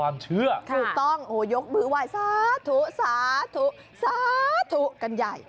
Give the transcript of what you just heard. ไม่ต้องโยกมือว่าสาถุสาถุกันใหญ่